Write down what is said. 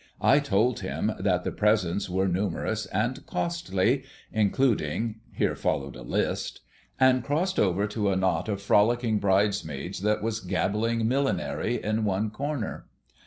I told him that the presents were numerous and costly, including here followed a list; and crossed over to a knot of frolicking bridesmaids that was gabbling millinery in one corner.